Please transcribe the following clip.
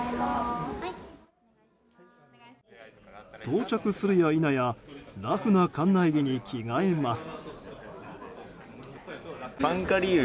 到着するやいなやラフな館内着に着替えます。